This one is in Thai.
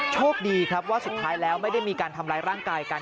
โชคดีว่าสุดท้ายไม่มีการทำไรร่างกายกัน